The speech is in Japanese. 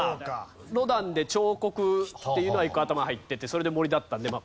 ロダンで彫刻っていうのは一個頭に入っててそれで森だったのでまあ